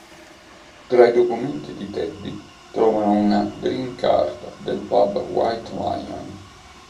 Tra i documenti di Teddy, trovano una "drink card" del pub "White Lion".